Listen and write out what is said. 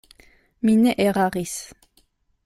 Mi ne eraris.